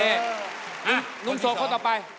โอเคหนุ่มโสดข้อต่อไป